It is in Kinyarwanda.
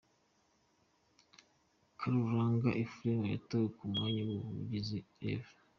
Karuranga Ephrem yatowe ku mwanya w’Umuvugizi; Rev.